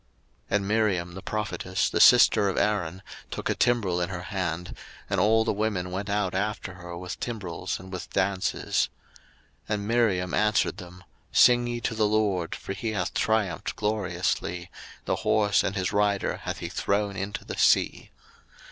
02:015:020 And Miriam the prophetess, the sister of Aaron, took a timbrel in her hand; and all the women went out after her with timbrels and with dances. 02:015:021 And Miriam answered them, Sing ye to the LORD, for he hath triumphed gloriously; the horse and his rider hath he thrown into the sea.